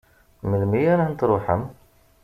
Melmi ara n-truḥem?